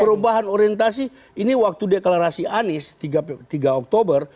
perubahan orientasi ini waktu deklarasi anies tiga oktober